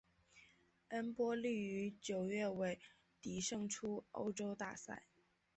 恩波利于九月尾底胜出欧洲大赛。